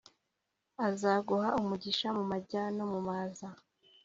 Azaguha umugisha mu majya no mu maza.